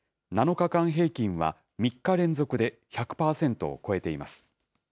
７日間平均は３日連続で１００％を超えています。